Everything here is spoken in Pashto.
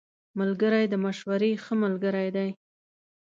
ملګری د مشورې ښه ملګری دی